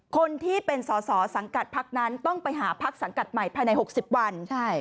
คนที่เป็นสอสอสังกัดพักนั้นต้องไปหาพักสังกัดใหม่ภายใน๖๐วัน